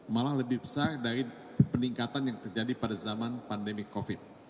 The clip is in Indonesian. malah lebih besar dari peningkatan yang terjadi pada zaman pandemi covid